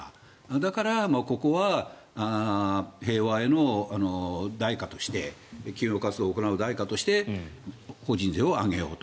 だから、ここは平和への対価として企業活動を行う対価として法人税を上げようと。